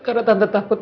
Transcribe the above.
tante terlalu takut